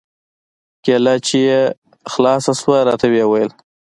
کېله چې يې خلاصه سوه راته ويې ويل.